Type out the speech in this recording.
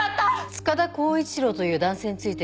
塚田巧一朗という男性について。